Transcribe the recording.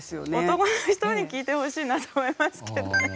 男の人に聞いてほしいなと思いますけど。